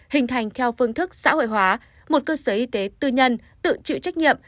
hình thành theo phương thức xã hội hóa một cơ sở y tế tư nhân tự chịu trách nhiệm